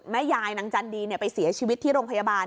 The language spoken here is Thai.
แม่ยายนางจันดีไปเสียชีวิตที่โรงพยาบาล